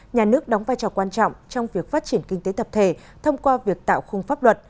nhà nước đóng vai trò quan trọng trong việc phát triển kinh tế tập thể thông qua việc tạo khung pháp luật